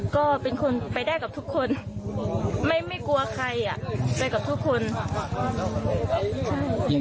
ก็เป็นคนไปได้กับทุกคนไม่ไม่กลัวใครอ่ะไปกับทุกคน